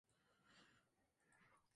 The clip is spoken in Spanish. No obstante, ella continuó siendo honrada.